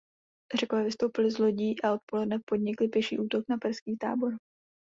Řekové vystoupili z lodí a odpoledne podnikli pěší útok na perský tábor.